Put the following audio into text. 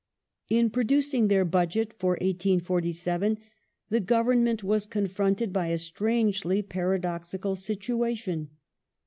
^ In producing their Budget for 1847, the Government was con fronted by a strangely paradoxical situation.